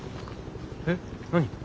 えっ？何？